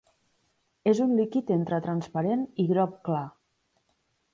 És un líquid entre transparent i groc clar.